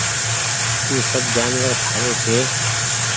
اي سب جآنور کآوي ڇي۔